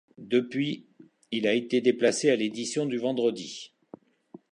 Depuis, il a été déplacé à l'édition du vendredi.